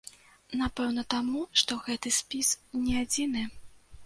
Напэўна, таму, што гэты спіс не адзіны.